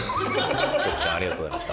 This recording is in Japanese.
京子ちゃんありがとうございました。